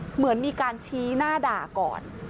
เหมือนมีการชี้หน้าด่าก่อน